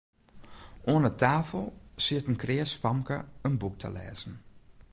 Oan 'e tafel siet in kreas famke in boek te lêzen.